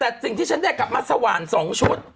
แต่สิ่งที่ฉันได้กลับมาสวรรค์สองชน